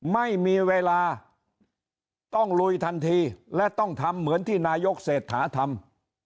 ไม่มีเวลาต้องลุยทันทีและต้องทำเหมือนที่นายกเศรษฐาทำ